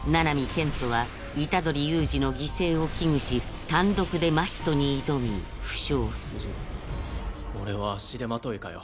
建人は虎杖悠仁の犠牲を危惧し単独で真人に挑み負傷する俺は足手まといかよ？